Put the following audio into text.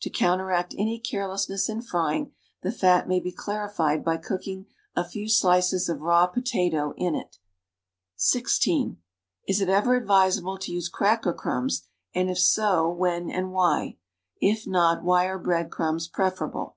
To counteract any carelessness in frying, the fat may be clarified by cooking a few slices of raw potato in it. (16) Is it ever advisable to use cracker crumbs, and if so, when and why.' If not, why are bread crumbs preferable?